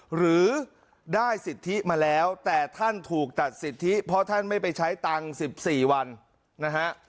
หรือได้สิทธิมาแล้วแต่ท่านถูกตัดสิทธิเพราะท่านไม่ไปใช้ตังค์๑๔วันนะฮะ